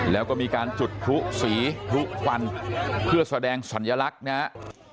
แล้วก็มีการจุดพลุสีพลุควันเพื่อแสดงสัญลักษณ์นะครับ